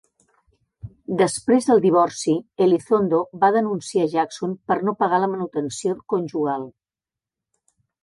Després del divorci, Elizondo va denunciar Jackson per no pagar la manutenció conjugal.